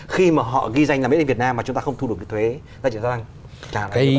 khi mà họ ghi danh là người việt nam mà chúng ta không thu được cái thuế